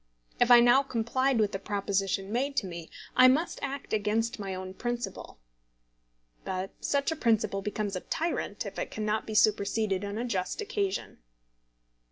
If I now complied with the proposition made to me, I must act against my own principle. But such a principle becomes a tyrant if it cannot be superseded on a just occasion.